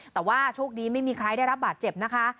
แต่ว่าโชคดีไม่มีใครได้รับบาดเจ็บนะคะ